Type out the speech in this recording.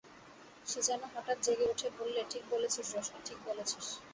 সে যেন হঠাৎ জেগে উঠে বললে, ঠিক বলেছিস রোশনি, ঠিক বলেছিস।